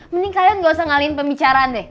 mending kalian gak usah ngalihin pembicaraan deh